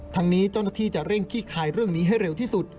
ทั้งนี้เจ้าหน้าที่จะเร่งขี้คายเรื่องนี้ให้เร็วที่สุด